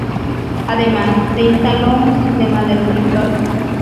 Además, se instaló un sistema de reflectores.